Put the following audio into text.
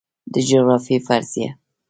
د جغرافیې فرضیه